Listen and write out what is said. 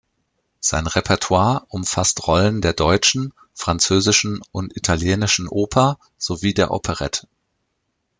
Sein Repertoire umfasst Rollen der deutschen, französischen und italienischen Oper sowie der Operette.